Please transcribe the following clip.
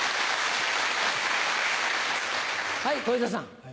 はい小遊三さん。